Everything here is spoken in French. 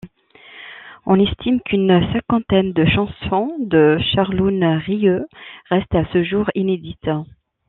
On estime qu'une cinquantaine de chansons de Charloun Rieu restent à ce jour inédites.